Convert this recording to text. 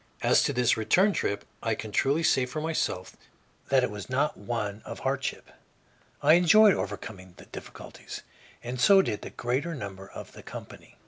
As to this return trip, I can truly say for myself that it was not one of hardship. I enjoyed overcoming the difficulties, and so did the greater number of the company.